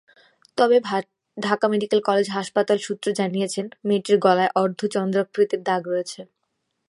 তবে Dhaka medical college হাসপাতাল সূত্র জানিয়েছে, মেয়েটির গলায় অর্ধ চন্দ্রাকৃতির দাগ রয়েছে।